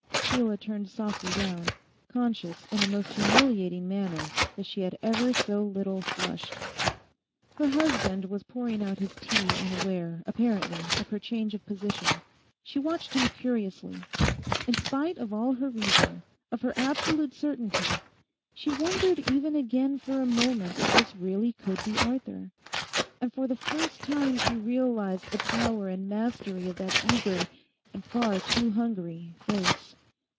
Sheila turned softly round, conscious in a most humiliating manner that she had ever so little flushed. Her husband was pouring out his tea, unaware, apparently, of her change of position. She watched him curiously. In spite of all her reason, of her absolute certainty, she wondered even again for a moment if this really could be Arthur. And for the first time she realised the power and mastery of that eager and far too hungry face.